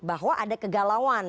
bahwa ada kegalauan